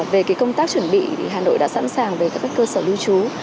về công tác chuẩn bị hà nội đã sẵn sàng về các cơ sở lưu trú